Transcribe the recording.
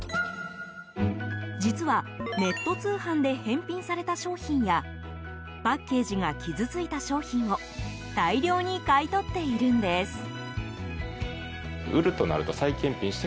実はネット通販で返品された商品やパッケージが傷ついた商品を大量に買い取っているんです。